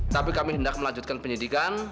tapi kami hendak melanjutkan penyidikan